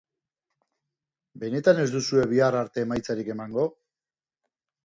Benetan ez duzue bihar arte emaitzarik emango?